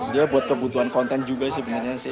dia buat kebutuhan konten juga sebenarnya sih